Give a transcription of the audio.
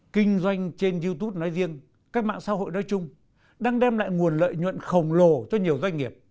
kinh doanh trên youtube nói riêng các mạng xã hội nói chung đang đem lại nguồn lợi nhuận khổng lồ cho nhiều doanh nghiệp